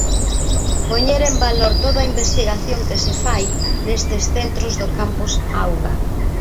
Poñer en valor toda a investigación que se fai nestes centros do Campus Auga.